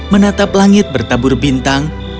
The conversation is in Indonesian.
menatap langit bertabur bintang